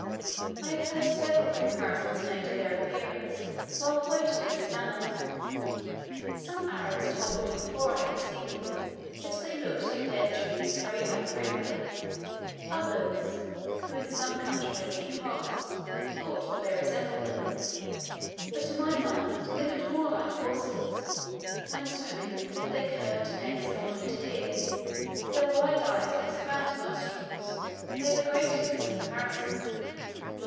I have heard several comparisons made of their appearance while floating in this manner: some Arabs told me before I had seen them that they looked like dead trees carried down the river; others, who in some country had seen hogs, thought they resembled them, but to my mind they look more like horses when swimming their curved necks and pointed ears, their wide eyes and expanded nostrils, favor greatly this comparison.